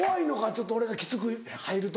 ちょっと俺がきつく入ると。